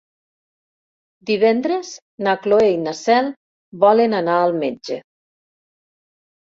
Divendres na Cloè i na Cel volen anar al metge.